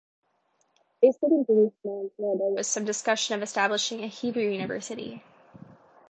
They stayed in Jerusalem where there was some discussion of establishing a Hebrew University.